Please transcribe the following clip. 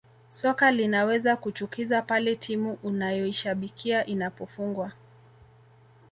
Soka linaweza kuchukiza pale timu unayoishabikia inapofungwa